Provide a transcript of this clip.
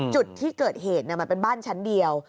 จุดที่เกิดเหตุมันเป็นบ้านชั้นเดียว